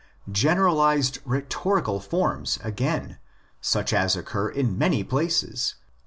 Generalised rhetorical forms again, such as occur in many places (cf.